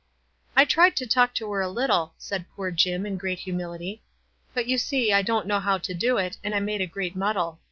" I tried to talk to her a little," said poor Jim, in great humility. "But you see I don't know how to do it, and I made a great muddle.